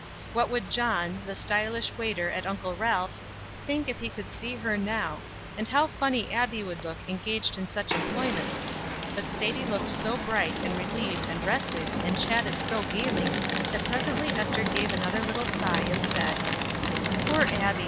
What would John, the stylish waiter at Uncle Ralph's, think if he could see her now, and how funny Abbie would look engaged in such employment; but Sadie looked so bright and relieved and rested, and chatted so gayly, that presently Ester gave another little sigh and said: "Poor Abbie!